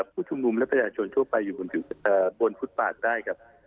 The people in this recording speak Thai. ผู้ชุมนุมและประชาชนทั่วไปอยู่บนฟุตปาดได้ครับ